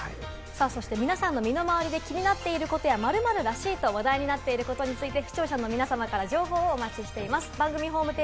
そして皆さんの身の回りで気になっていることや「○○らしい」と話題になっていることについて視聴者の皆様から情報をお待ちしています。